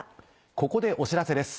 ここでお知らせです。